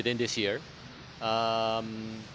ada yang kembali